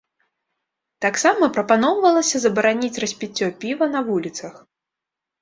Таксама прапаноўвалася забараніць распіццё піва на вуліцах.